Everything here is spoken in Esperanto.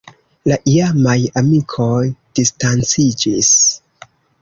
La iamaj amikoj distanciĝis.